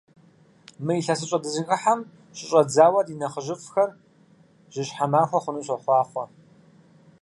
Мы илъэсыщӀэ дызыхыхьэм щыщӀэдзауэ ди нэхъыжьыфӀхэр жьыщхьэ махуэ хъуну сохъуахъуэ!